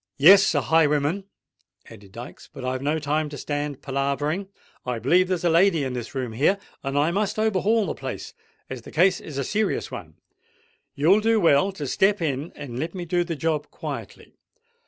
"Yes—a highwayman," added Dykes. "But I've no time to stand palavering. I b'lieve there's a lady in this room here; and as I must overhaul the place—as the case is a serious one—you'll do well to step in and let me do the job quietly.